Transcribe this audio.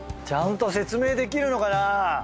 ちゃんと説明できるのかな。